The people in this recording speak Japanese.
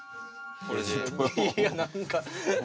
いや何か。